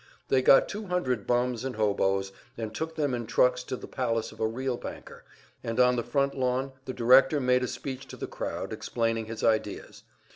They got two hundred bums and hoboes, and took them in trucks to the palace of a real banker, and on the front lawn the director made a speech to the crowd, explaining his ideas.